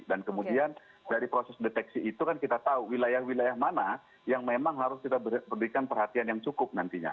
dan kemudian dari proses deteksi itu kan kita tahu wilayah wilayah mana yang memang harus kita berikan perhatian yang cukup nantinya